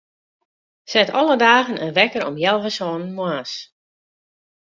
Set alle dagen in wekker om healwei sânen moarns.